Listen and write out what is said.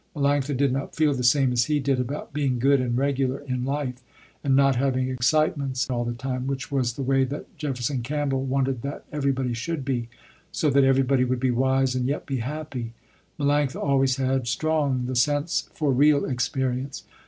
Melanctha did not feel the same as he did about being good and regular in life, and not having excitements all the time, which was the way that Jefferson Campbell wanted that everybody should be, so that everybody would be wise and yet be happy. Melanctha always had strong the sense for real experience.